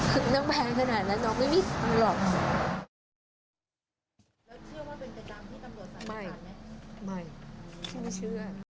คือน้องแพงขนาดนั้นน้องไม่มีคุณหรอก